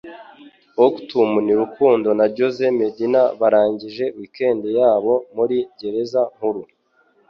Autumn Rukundo na Jose Medina barangije weekend yabo muri gereza nkuru